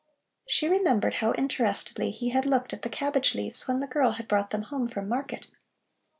She remembered how interestedly he had looked at the cabbage leaves when the girl had brought them home from market.